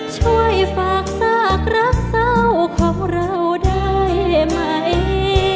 ช่วยฝากซากรักเศร้าของเราได้ไหม